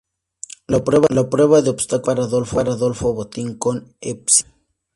La prueba de obstáculos fue para Adolfo Botín con "Épsilon".